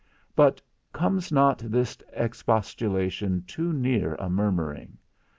But comes not this expostulation too near a murmuring?